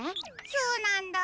そうなんだ。